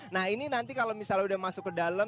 nah ini nanti kalau misalnya udah masuk ke dalam